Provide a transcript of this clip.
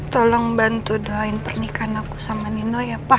tolong bantu doain pernikahan aku sama nino ya pak